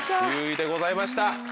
９位でございました。